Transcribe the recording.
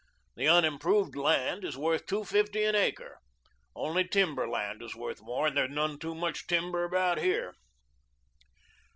The unimproved land is worth two fifty an acre; only timber land is worth more and there's none too much timber about here."